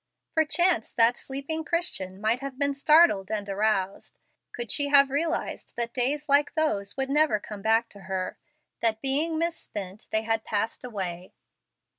Perchance that sleeping Christian might have been startled and aroused, could she have realized that days like those would never come back to her; that being misspent they had passed away.